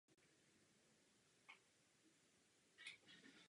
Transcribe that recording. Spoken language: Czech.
Za světové války se stáhl z politického života.